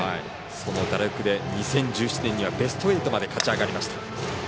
その打力で２０１７年にはベスト８まで勝ち上がりました。